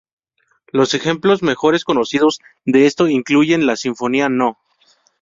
Los ejemplos mejores conocidos de esto incluyen la Sinfonía No.